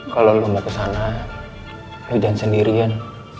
kalau lo mau kesana lo jangan sendirian